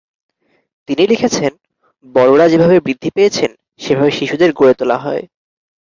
তিনি লিখেছেন, “বড়রা যেভাবে বৃদ্ধি পেয়েছেন সেভাবে শিশুদের গড়ে তোলা হয়”।